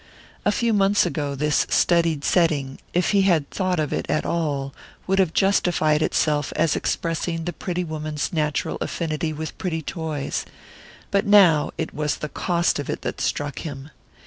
A few months ago this studied setting, if he had thought of it at all, would have justified itself as expressing the pretty woman's natural affinity with pretty toys; but now it was the cost of it that struck him.